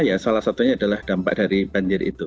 ya salah satunya adalah dampak dari banjir itu